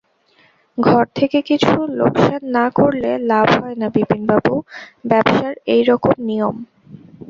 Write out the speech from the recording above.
ঘর থেকে কিছু লোকসান না করলে লাভ হয় না বিপিনবাবু– ব্যাবসার এইরকম নিয়ম।